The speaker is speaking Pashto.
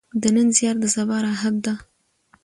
د نن زیار د سبا راحت ده.